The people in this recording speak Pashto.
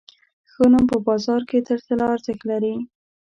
ښه نوم په بازار کې تر طلا ارزښت لري.